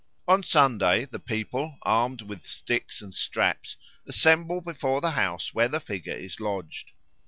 On Sunday the people, armed with sticks and straps, assemble before the house where the figure is lodged.